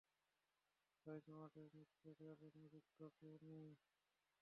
তাই, তোমার চাইতে নেতৃত্ব দেওয়ার জন্য যোগ্য কেউ নেই।